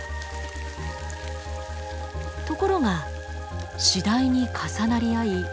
ところが次第に重なり合い